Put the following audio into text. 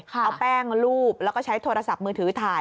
เอาแป้งรูปแล้วก็ใช้โทรศัพท์มือถือถ่าย